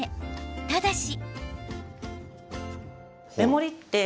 ただし。